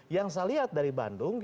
yang saya lihat dari bandung